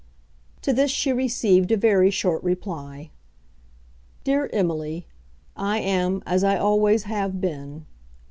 To this she received a very short reply; DEAR EMILY, I am as I always have been.